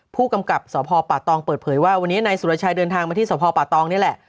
ผู้กำกับสพป่าตองเปิดเผยว่าวันนี้นายสุรชัยเดินทางมาที่สพป่าตองนี่แหละ